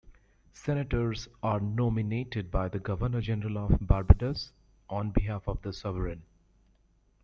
Senators are nominated by the Governor General of Barbados, on behalf of the Sovereign.